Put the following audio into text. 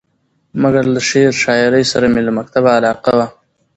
مګر له شعر شاعرۍ سره مې له مکتبه علاقه وه.